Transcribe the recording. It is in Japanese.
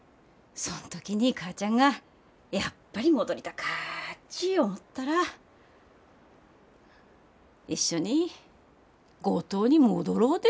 そん時に母ちゃんがやっぱり戻りたかっち思ったら一緒に五島に戻ろうで。